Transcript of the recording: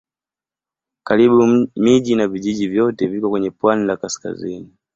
Karibu miji na vijiji vyote viko kwenye pwani la kaskazini.